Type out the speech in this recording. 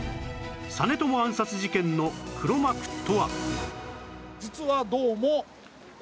実朝暗殺事件の黒幕とは！？